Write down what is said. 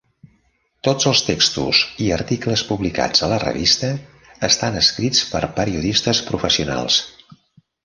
Tots els textos i articles publicats a la revista estan escrits per periodistes professionals.